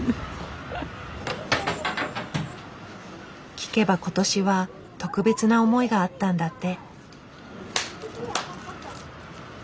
聞けば今年は特別な思いがあったんだって。